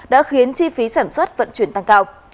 đã khiến chi phí sản xuất vận chuyển tăng cao